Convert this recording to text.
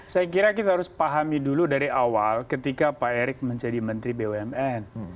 saya kira kita harus pahami dulu dari awal ketika pak erick menjadi menteri bumn